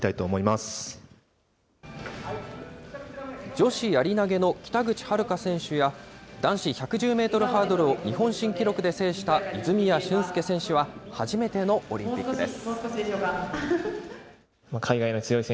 女子やり投げの北口榛花選手や、男子１１０メートルハードルを日本新記録で制した泉谷駿介選手は、初めてのオリンピックです。